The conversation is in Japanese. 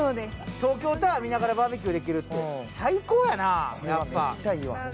東京タワー見ながらバーベキューできるって最高やなあ。